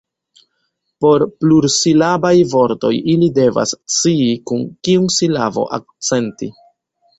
Por plursilabaj vortoj, ili devas scii kiun silabon akcenti.